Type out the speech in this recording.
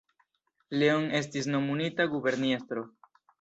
Leon estis nomumita guberniestro.